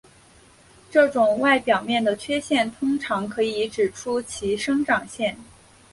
这种外表面的缺陷通常可以指出其生长线。